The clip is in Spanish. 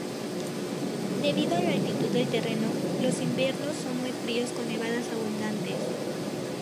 Debido a la altitud del terreno, los inviernos son muy fríos con nevadas abundantes.